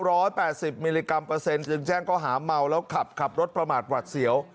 แปดสิบมิลลิกรัมเปอร์เซ็นต์แจ้งก็หาเมาแล้วขับขับรถประมาทหวัดเสียว